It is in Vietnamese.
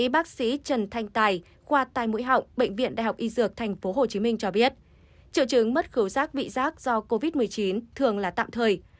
bệnh viện đại học y dược tp hcm cho biết trợ chứng mất khứu rác vị rác do covid một mươi chín thường là tạm thời